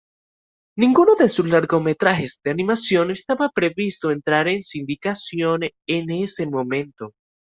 Ninguno de sus largometrajes de animación estaba previsto entrar en sindicación en ese momento.